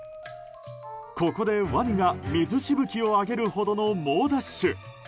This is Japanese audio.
ここでワニが、水しぶきを上げるほどの猛ダッシュ。